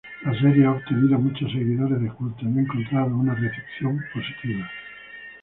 La serie ha obtenido muchos seguidores de culto, y ha encontrado una recepción positiva.